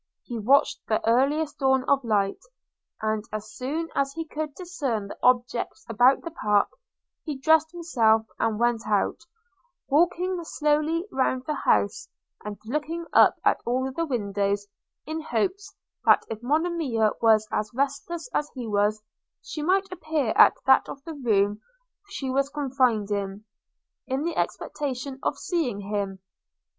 He watched the earliest dawn of light; and as soon as he could discern the objects about the park, he dressed himself and went out – walking slowly round the house, and looking up at all the windows, in hopes that if Monimia was as restless as he was, she might appear at that of the room she was confined in, in the expectation of seeing him.